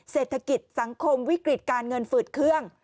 เศรษฐกิจสังคมวิกฤติการเงินฝืดเครื่อง